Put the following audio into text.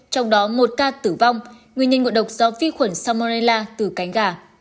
trong đó một ca tử vong nguyên nhân ngộ độc do vi khuẩn salmonella từ cánh gà